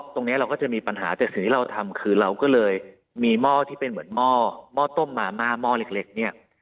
เราก็จะมีปัญหาแต่สิ่งที่เราทำคือเราก็เลยมีหม้อที่เป็นเหมือนหม้อต้มมาม่าหม้อเล็กเนี่ย